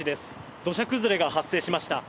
土砂崩れが発生しました。